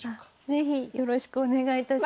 是非よろしくお願いいたします。